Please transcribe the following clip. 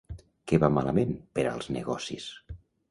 Que va malament, per als negocis!